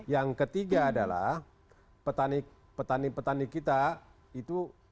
yang ketiga adalah petani petani kita itu